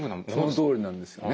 そのとおりなんですよね。